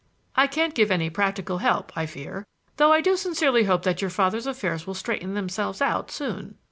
"I can't give any practical help, I fear, though I do sincerely hope that you father's affairs will straighten themselves out soon."